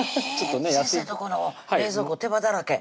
先生とこの冷蔵庫手羽だらけ？